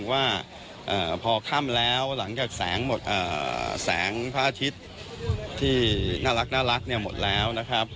ว่าเอ่อพอค่ำแล้วหลังจากแสงหมดเอ่อแสงพระอาทิตย์ที่น่ารักน่ารักเนี่ยหมดแล้วนะครับ